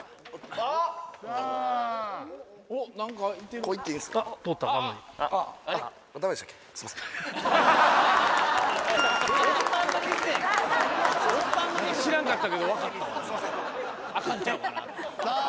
あかんちゃうかなって。